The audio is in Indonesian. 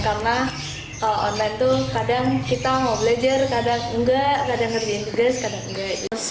karena online itu kadang kita mau belajar kadang enggak kadang harus diindigas kadang enggak